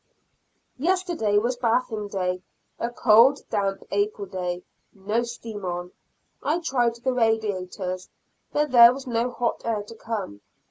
Yesterday was bathing day a cold, damp April day. No steam on; I tried the radiators, but there was no hot air to come.